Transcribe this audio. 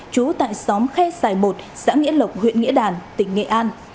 trú tại xóm khe sài một xã nghĩa lộc huyện nghĩa đàn tỉnh nghệ an